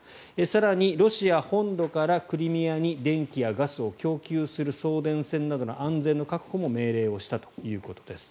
更に、ロシア本土からクリミアに電気やガスを供給する送電線などの安全確保も命令をしたということです。